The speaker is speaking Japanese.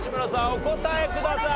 お答えください。